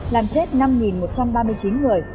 làm chết năm một trăm ba mươi chín người